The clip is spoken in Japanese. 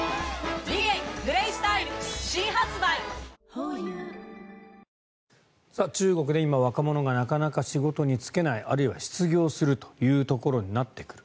こういう就職できない若者が中国で今、若者がなかなか仕事に就けないあるいは失業するというところになってくる。